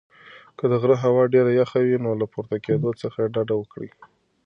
که د غره هوا ډېره یخه وي نو له پورته کېدو څخه ډډه وکړئ.